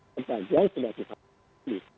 kebanyakan sudah kita pilih